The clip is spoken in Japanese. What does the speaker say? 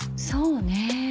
そうねぇ。